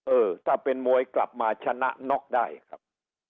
เออถ้าเป็นมวยกลับมาชนะน็อกได้ครับ